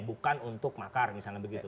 bukan untuk makar misalnya begitu